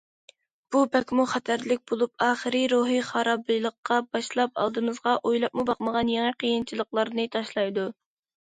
بۇ بەكمۇ خەتەرلىك بولۇپ، ئاخىرى روھىي خارابلىققا باشلاپ ئالدىمىزغا ئويلاپمۇ باقمىغان يېڭى قىيىنچىلىقلارنى تاشلايدۇ.